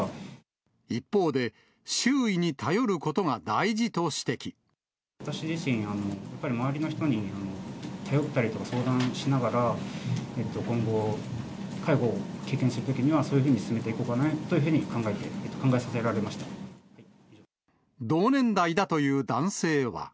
一方で、周囲に頼ることが大私自身、やっぱり周りの人に頼ったりとか、相談しながら、今後、介護を経験するときには、そういうふうに進めていこうかなという同年代だという男性は。